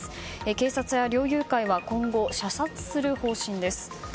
警察や猟友会は今後射殺する方針です。